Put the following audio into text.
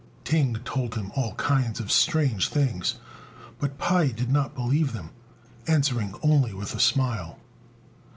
Ting told him all kinds of strange things, but Pai did not believe them, answering only by a smile.